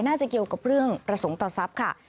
น่าจะเกี่ยวกับเรื่องประสงค์ต่อทรัพย์ค่ะ